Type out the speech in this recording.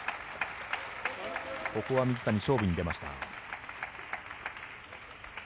ここは水谷、勝負に出ました。